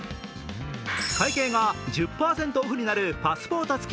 会計が１０％オフになるパスポート付き。